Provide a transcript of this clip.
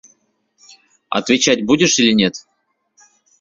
Отвечать будешь или нет?